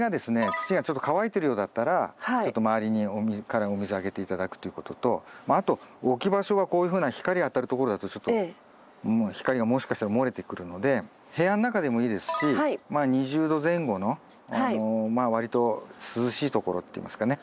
土がちょっと乾いてるようだったらちょっと周りからお水あげて頂くということとあと置き場所はこういうふうな光当たるところだとちょっと光がもしかしたら漏れてくるので部屋の中でもいいですしまあ２０℃前後のまあ割と涼しいところっていいますかね。